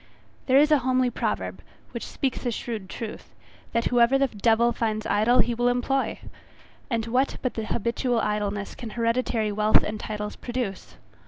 There is a homely proverb, which speaks a shrewd truth, that whoever the devil finds idle he will employ. And what but habitual idleness can hereditary wealth and titles produce?